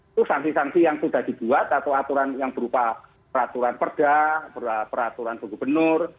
itu sanksi sanksi yang sudah dibuat atau aturan yang berupa peraturan perda peraturan gubernur